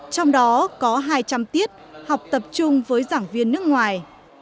trong đó có hai trăm linh tiết học tập trung với giảng viên nước ngoài